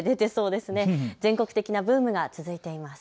全国的なブームが続いています。